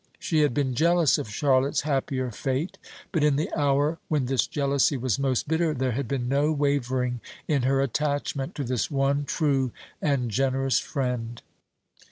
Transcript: She had been jealous of Charlotte's happier fate: but in the hour when this jealousy was most bitter there had been no wavering in her attachment to this one true and generous friend.